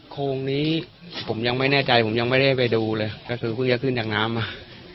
โครงนี้ผมยังไม่แน่ใจผมยังไม่ได้ไปดูเลยก็คือเพิ่งจะขึ้นจากน้ำมา